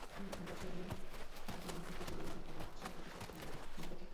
ওই বছরই তার অন্য একটি ছবি "রাম" বক্স অফিসে সাফল্যের মুখ দেখে।